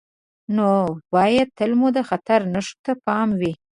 نو باید تل مو د خطر نښو ته پام وي.